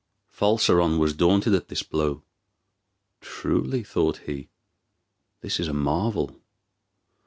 Falseron was daunted at this blow. "Truly," thought he, "this is a marvel."